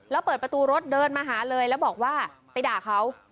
แล้วเปิดประตูรถเดินมาหาเลยแล้วบอกว่าไปด่าเขา